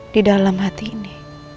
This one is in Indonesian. di dalam hati ini